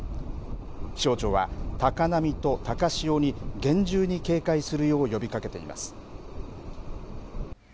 気象庁は高波と高潮に厳重に警戒するよう呼びかけています。